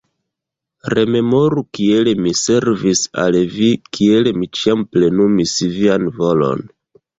Rememoru, kiel mi servis al vi, kiel mi ĉiam plenumis vian volon.